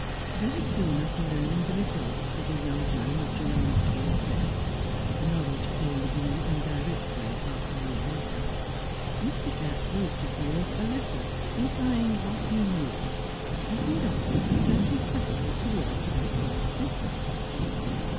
Very soon after learning the result to the young man of Jerome Otway's death (the knowledge came in an indirect way half a year later), Mr. Jacks wrote to Piers a letter implying what he knew, and made offer of a certain capital towards the proposed business.